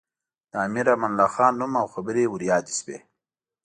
د امیر امان الله خان نوم او خبرې ور یادې شوې.